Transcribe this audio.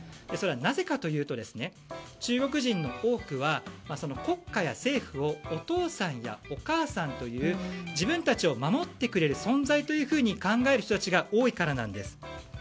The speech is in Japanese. それはなぜかというと中国人の多くは、国家や政府をお父さんやお母さんという自分たちを守ってくれる存在と考える人たちが多いからなんです。